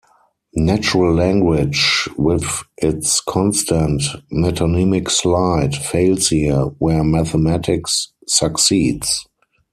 Natural language, with its constant "metonymic slide", fails here, where mathematics succeeds.